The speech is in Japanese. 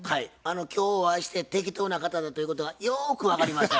今日お会いして適当な方だということがよく分かりました。